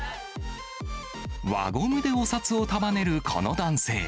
輪ゴムでお札を束ねるこの男性。